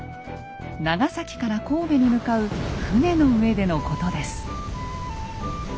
長崎から神戸に向かう船の上でのことです。